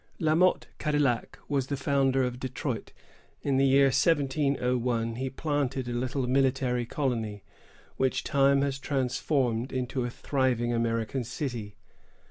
La Motte Cadillac was the founder of Detroit. In the year 1701, he planted the little military colony, which time has transformed into a thriving American city.